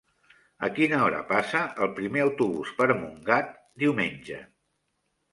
A quina hora passa el primer autobús per Montgat diumenge?